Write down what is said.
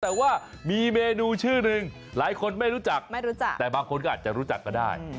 แต่ว่ามีเมนูชื่อหนึ่งหลายคนไม่รู้จักไม่รู้จักแต่บางคนก็อาจจะรู้จักก็ได้